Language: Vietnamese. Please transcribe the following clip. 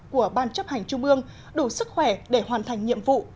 của ban chấp hành trung ương đủ sức khỏe để hoàn thành nhiệm vụ